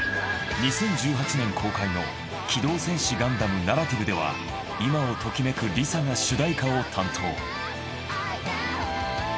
２０１８年公開の『機動戦士ガンダムＮＴ』では今をときめくＬｉＳＡが主題歌を担当。